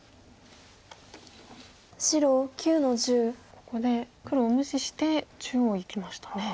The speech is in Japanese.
ここで黒を無視して中央をいきましたね。